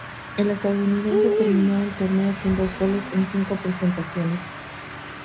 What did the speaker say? El estadounidense terminó el torneo con dos goles en cinco presentaciones.